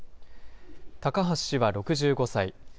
高橋氏は６５歳。